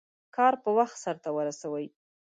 کار په وخت سرته ورسوئ.